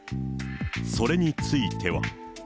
それについては。